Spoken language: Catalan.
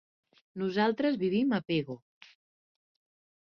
Nosaltres vivim a Pego.